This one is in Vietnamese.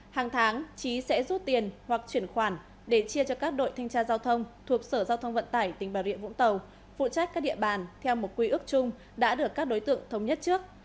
hàng tháng trí sẽ rút tiền hoặc chuyển khoản để chia cho các đội thanh tra giao thông thuộc sở giao thông vận tải tỉnh bà rịa vũng tàu phụ trách các địa bàn theo một quy ước chung đã được các đối tượng thống nhất trước